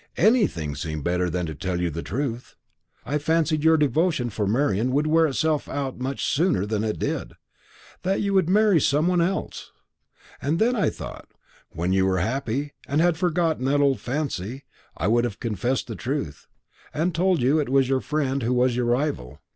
Anything seemed better than to tell you the truth. I fancied your devotion for Marian would wear itself out much sooner than it did that you would marry some one else; and then I thought, when you were happy, and had forgotten that old fancy, I would have confessed the truth, and told you it was your friend who was your rival.